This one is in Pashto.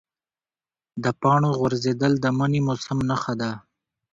د پاڼو غورځېدل د مني موسم نښه ده.